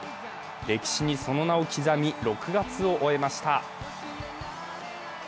歴史にその名を刻み、６月を終えました。